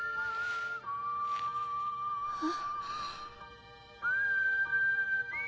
あっ。